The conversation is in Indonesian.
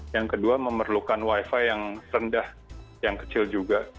yang kedua memerlukan wifi yang rendah yang kecil juga